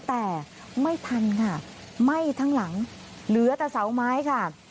แต่ไม่ทันค่ะไหม้ทั้งหลังเหลือแต่เสาไม้ค่ะ